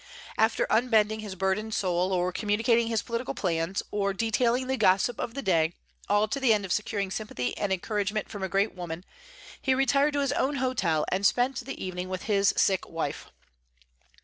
After unbending his burdened soul, or communicating his political plans, or detailing the gossip of the day, all to the end of securing sympathy and encouragement from a great woman, he retired to his own hotel, and spent the evening with his sick wife.